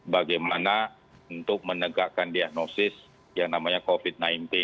bagaimana untuk menegakkan diagnosis yang namanya covid sembilan belas